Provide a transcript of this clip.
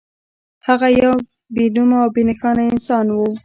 هغه يو بې نومه او بې نښانه انسان و.